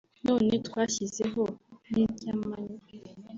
none twashyizeho n’iry’amanywa